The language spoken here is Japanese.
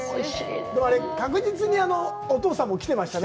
でもあれ、確実にお父さんも来てましたね。